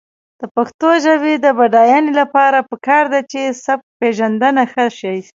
د پښتو ژبې د بډاینې لپاره پکار ده چې سبکپېژندنه ښه شي.